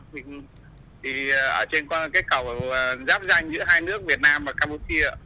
thì ở trên có cái cầu giáp ranh giữa hai nước việt nam và campuchia